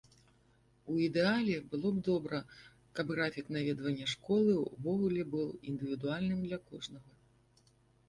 У ідэале было б добра, каб графік наведвання школы ўвогуле быў індывідуальным для кожнага.